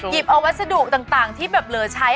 เอาวัสดุต่างที่แบบเหลือใช้